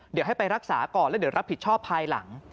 เดี๋ยวให้ไปรักษาก่อนแล้วเดี๋ยวรับผิดชอบภายหลัง